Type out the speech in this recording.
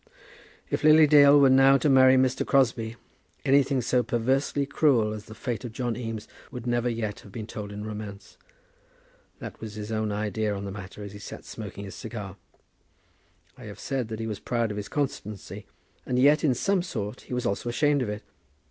If Lily Dale were now to marry Mr. Crosbie, anything so perversely cruel as the fate of John Eames would never yet have been told in romance. That was his own idea on the matter as he sat smoking his cigar. I have said that he was proud of his constancy, and yet, in some sort, he was also ashamed of it.